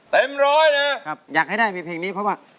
เต็มร้อยเลยอยากให้ได้ในเพลงนี้เพราะว่า